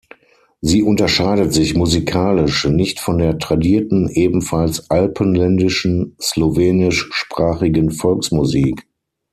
Sie unterscheidet sich musikalisch nicht von der tradierten, ebenfalls alpenländischen, slowenischsprachigen Volksmusik.